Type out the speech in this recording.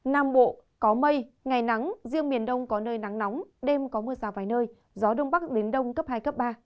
nam bộ có mây ngày nắng riêng miền đông có nơi nắng nóng đêm có mưa rào vài nơi gió đông bắc đến đông cấp hai cấp ba